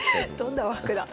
どんな和服だ。